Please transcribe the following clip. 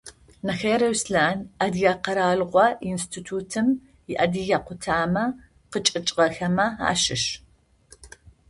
Нэхэе Руслъан, Адыгэ къэралыгъо институтым иадыгэ къутамэ къычӏэкӏыгъэхэмэ ащыщ.